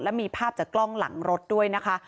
และมีภาพจากกล้องหลังรถด้วยนะคะ